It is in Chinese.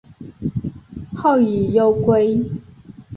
后以忧归。